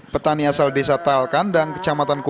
petani asal desa talkan dan kecamatan kukubu